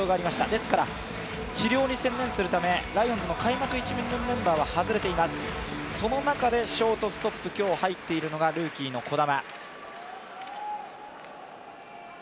ですから、治療に専念するため、ライオンズの開幕１軍のメンバーは外れています、その中でショートストップ今日入っているのがルーキーの児玉。